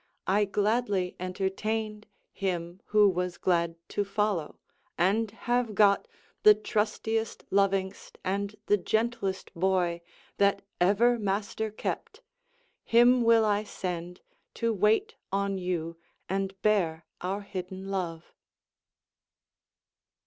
I gladly entertained Him, who was glad to follow: and have got The trustiest, loving'st, and the gentlest boy That ever master kept. Him will I send To wait on you, and bear our hidden love.